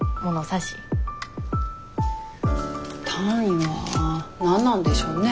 単位は何なんでしょうね。